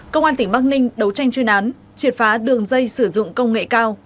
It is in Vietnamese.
công an tỉnh bắc ninh đấu tranh chuyên án triệt phá đường dây sử dụng công nghệ cao